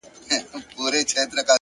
علم د عقل او شعور بنسټ دی’